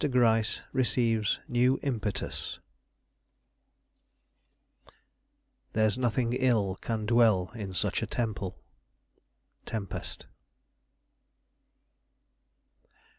GRYCE RECEIVES NEW IMPETUS "There's nothing ill Can dwell in such a temple." Tempest.